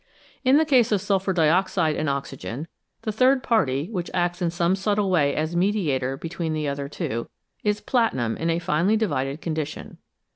In the case of sulphur dioxide and oxygen the third party, which acts in some subtle way as mediator between the other two, is platinum in a finely divided condi tion.